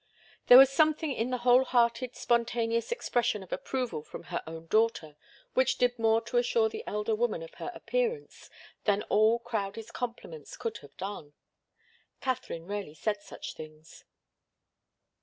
There was something in the whole hearted, spontaneous expression of approval from her own daughter which did more to assure the elder woman of her appearance than all Crowdie's compliments could have done. Katharine rarely said such things.